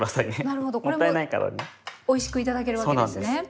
なるほどこれもおいしく頂けるわけですね。